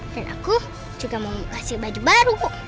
dan aku juga mau kasih baju baru